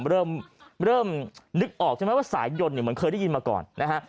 เริ่มเริ่มนึกออกใช่ไหมว่าสายยนต์เนี่ยเหมือนเคยได้ยินมาก่อนนะฮะ